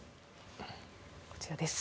こちらです。